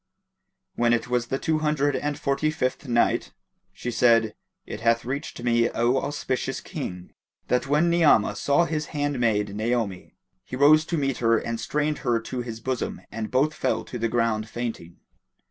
When it was the Two Hundred and Forty fifth Night, She said, It hath reached me, O auspicious King, that when Ni'amah saw his handmaid Naomi, he rose to meet her and strained her to his bosom and both fell to the ground fainting.